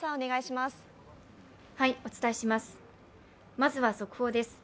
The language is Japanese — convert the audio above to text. まずは速報です。